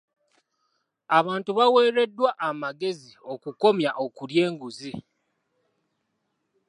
Abantu baweereddwa amagezi okukomya okulya enguzi.